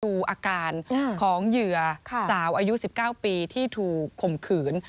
ดูอาการของเหยื่อสาวอายุ๑๙ปีที่ถูกข่มขืน